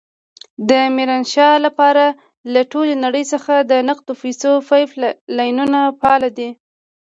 د ميرانشاه لپاره له ټولې نړۍ څخه د نقدو پيسو پایپ لاینونه فعال دي.